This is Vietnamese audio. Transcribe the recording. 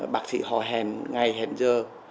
bác sĩ họ hẹn ngày hẹn giờ